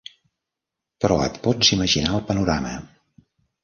Però et pots imaginar el panorama.